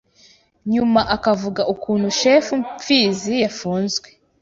Nyuma akavuga ukuntu Chef Mfizi yafunzwe